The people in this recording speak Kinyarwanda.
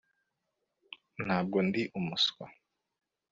ntabwo ndi umuswa